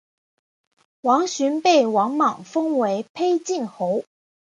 王寻被王莽封为丕进侯。